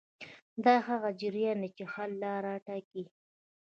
دا هغه جریان دی چې حل لاره ټاکي.